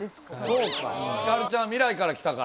そうかヒカルちゃん未来から来たから。